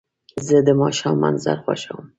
زه د ماښام منظر خوښوم.